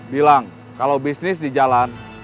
bilang kalau bisnis di jalan